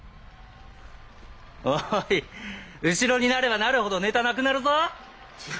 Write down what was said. おい後ろになればなるほどネタなくなるぞ！